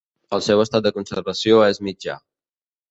El seu estat de conservació és mitjà.